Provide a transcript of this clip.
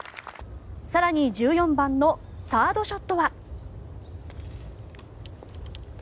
更に１４番のサードショットは。